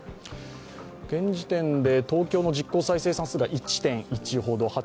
現時点で東京の実効再生産数が１．１ほど。